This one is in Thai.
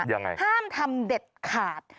ยังไงห้ามทำเด็ดขาด